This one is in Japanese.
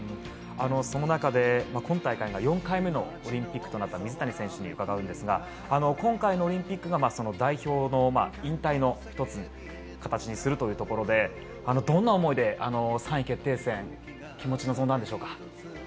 その中で今大会が４回目のオリンピックとなった水谷選手に伺うんですが今回のオリンピックが代表の引退の１つの形にするということでどんな思いで３位決定戦臨んだんでしょうか。